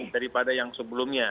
daripada yang sebelumnya